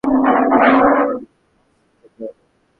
সন্তান ধারণের তিন মাস আগে থেকে নিয়মিত ফলিক অ্যাসিড খেতে হবে।